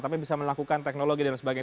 tapi bisa melakukan teknologi dan sebagainya